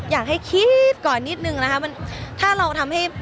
อยากให้คิดก่อนนิดนึงนะคะมันถ้าเราทำให้